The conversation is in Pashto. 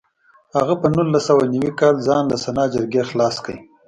هغه په نولس سوه نوي کال کې ځان له سنا جرګې خلاص کړ.